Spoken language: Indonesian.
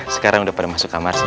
sekarang udah pada masuk kamar sih